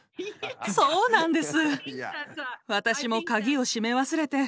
そうなんです。